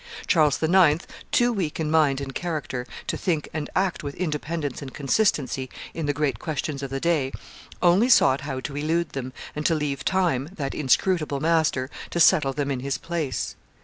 Charles IX., too weak in mind and character to think and act with independence and consistency in the great questions of the day, only sought how to elude them, and to leave time, that inscrutable master, to settle them in his place.